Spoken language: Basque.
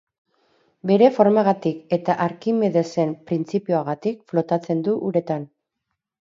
Bere formagatik eta Arkimedesen printzipioagatik flotatzen du uretan.